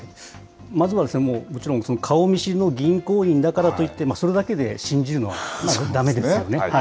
まずはもちろん、顔見知りの銀行だからといって、それだけで信じるのはだめですよね。